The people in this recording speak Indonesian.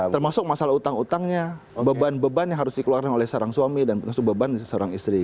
termasuk masalah utang utangnya beban beban yang harus dikeluarkan oleh seorang suami dan beban seorang istri